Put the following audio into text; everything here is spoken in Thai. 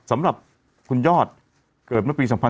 สำหรับคุณยอดเกิดเมื่อปี๒๔๙๒นะฮะ